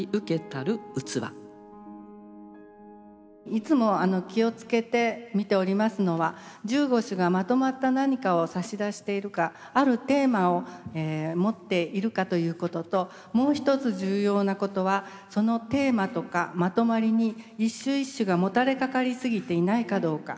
いつも気を付けて見ておりますのは１５首がまとまった何かを差し出しているかあるテーマを持っているかということともう一つ重要なことはそのテーマとかまとまりに一首一首がもたれかかり過ぎていないかどうか。